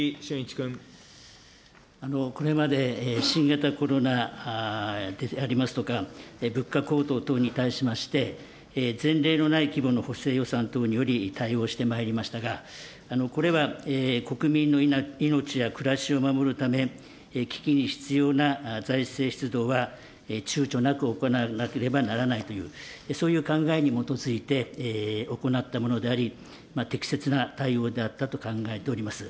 これまで新型コロナでありますとか、物価高騰等に対しまして、前例のない規模の補正予算等により対応してまいりましたが、これは国民の命や暮らしを守るため、危機に必要な財政出動は、ちゅうちょなく行わなければならないという、そういう考えに基づいて行ったものであり、適切な対応であったと考えております。